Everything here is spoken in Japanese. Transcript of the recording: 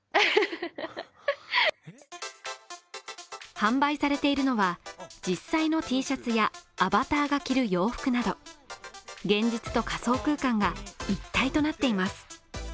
販売されているのは、実際のＴシャツやアバターが着る洋服など、現実と仮想空間が一体となっています。